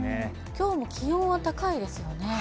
きょうも気温は高いですよね。